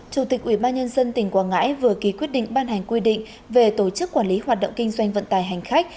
chủ tịch ubnd tỉnh quảng ngãi vừa ký quyết định ban hành quy định về tổ chức quản lý hoạt động kinh doanh vận tải hành khách